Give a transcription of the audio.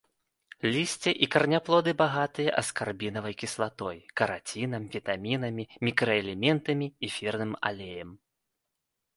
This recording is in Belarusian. Лісце і караняплоды багатыя аскарбінавай кіслатой, карацінам, вітамінамі, мікраэлементамі, эфірным алеем.